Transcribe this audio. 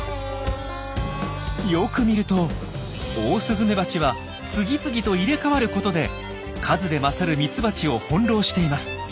よく見るとオオスズメバチは次々と入れ代わることで数で勝るミツバチを翻弄しています。